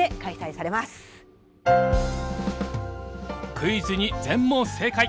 クイズに全問正解！